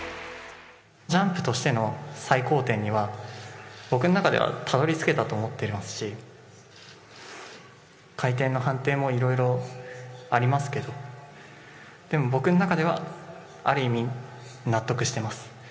ジャンプとしての最高点には、僕の中ではたどりつけたと思ってますし、回転の判定もいろいろありますけど、でも、僕の中ではある意味、納得してます。